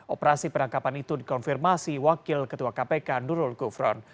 operasi penangkapan itu dikonfirmasi wakil ketua kpk nurul gufron